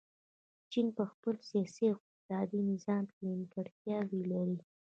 چین په خپل سیاسي او اقتصادي نظام کې نیمګړتیاوې لري.